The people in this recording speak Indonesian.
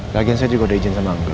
lagian saya juga udah izin sama angga